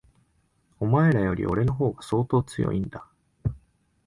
お前らより、俺の方が相当強いんだ。